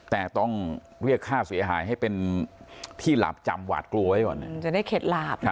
แต่ต้องเรียกค่าเสียหายให้เป็นที่หลับจำหวาดกลัวไว้ก่อน